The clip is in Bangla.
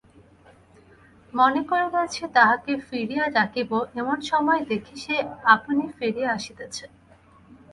মনে করিতেছি তাহাকে ফিরিয়া ডাকিব, এমন সময়ে দেখি সে আপনি ফিরিয়া আসিতেছে।